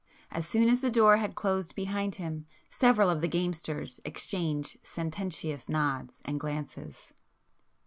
As soon as the door had closed behind him, several of the gamesters exchanged sententious nods and glances.